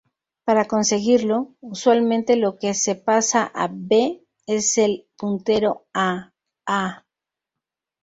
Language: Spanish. Para conseguirlo, usualmente lo que se pasa a "B" es el puntero a "A".